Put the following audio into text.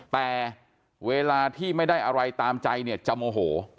แต่เวลาที่ไม่ได้อะไรตามใจเนี่ยจะโมโห